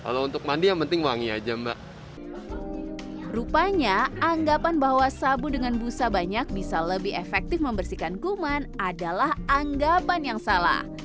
rupanya anggapan bahwa sabu dengan busa banyak bisa lebih efektif membersihkan kuman adalah anggapan yang salah